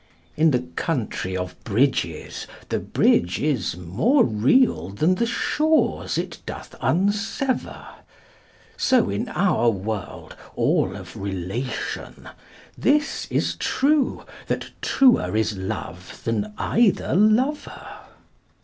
In the country of bridges the bridge is More real than the shores it doth unsever; So in our world, all of Relation, this Is trueŌĆöthat truer is Love than either lover.